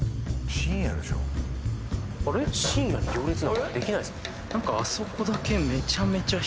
深夜に行列なんかできないですもんね